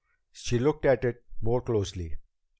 She looked at it more closely.